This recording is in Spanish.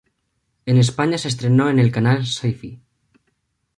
En España se estrenó el en el canal Syfy.